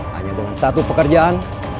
hanya dengan satu pekerjaan